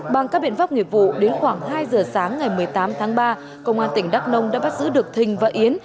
bằng các biện pháp nghiệp vụ đến khoảng hai giờ sáng ngày một mươi tám tháng ba công an tỉnh đắk nông đã bắt giữ được thình và yến